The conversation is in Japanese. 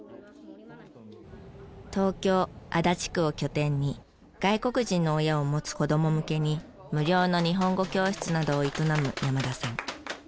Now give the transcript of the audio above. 東京足立区を拠点に外国人の親を持つ子供向けに無料の日本語教室などを営む山田さん。